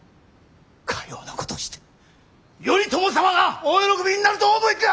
かようなことをして頼朝様がお喜びになるとお思いか！